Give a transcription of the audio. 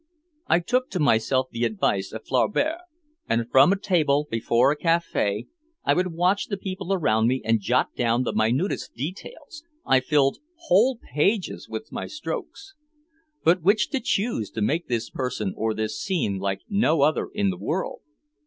I took to myself the advice of Flaubert, and from a table before a café I would watch the people around me and jot down the minutest details, I filled whole pages with my strokes. But which to choose to make this person or this scene like no other in the world?